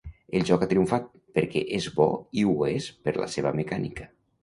El joc ha triomfat perquè és bo i ho és per la seva mecànica.